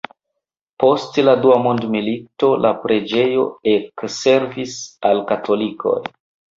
Post la dua mondmilito la preĝejo ekservis al katolikoj.